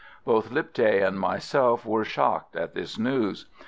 Both Lipthay and myself were shocked at this news.